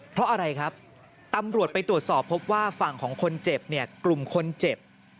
เพราะอะไรครับตำรวจไปตรวจสอบพบว่าฝั่งของคนเจ็บเนี่ยกลุ่มคนเจ็บ